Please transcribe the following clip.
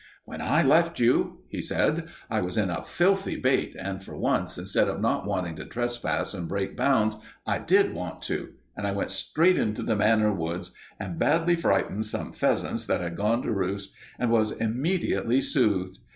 "When I left you," he said, "I was in a filthy bate, and for once, instead of not wanting to trespass and break bounds, I did want to. And I went straight into the Manor Woods, and badly frightened some pheasants that had gone to roost, and was immediately soothed.